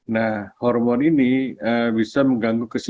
nah hormon ini bisa mengganggu kesehatan